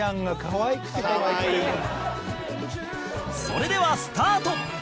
それではスタート！